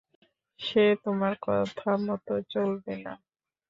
সে তোমার কথা মতো চলবে না।